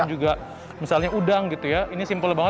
ini misalnya serii malemuy obisol